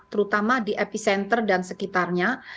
terutama di epicenter dan sekitarnya